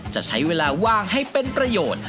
จะใช้เวลาว่างให้เป็นประโยชน์